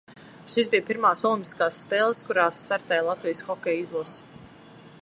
Šīs bija pirmās olimpiskās spēles, kurās startēja Latvijas hokeja izlase.